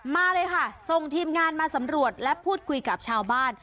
มาเลยค่ะส่งทีมงานมาสำรวจและพูดคุยกับชาวบ้าน